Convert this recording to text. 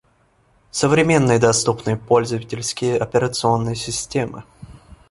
Современные доступные пользовательские операционные системы